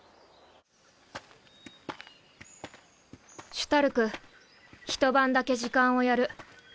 シュタルク一晩だけ時間をやる。